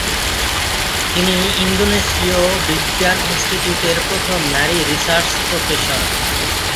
তিনি ইন্দোনেশীয় বিজ্ঞান ইন্সটিটিউটের প্রথম নারী রিসার্চ প্রফেসর।